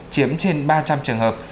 chiếm trên ba trăm linh trường hợp